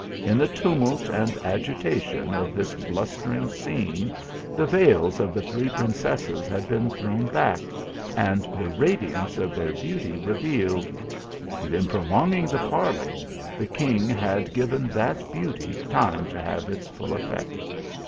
In the tumult and agitation of this blus tering scene, the veils of the three princesses had been thrown back, and the radiance of their beauty revealed ; and in prolonging the parley, the king had given that beauty time to have its full effect.